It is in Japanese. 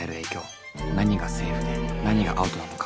何がセーフで何がアウトなのか。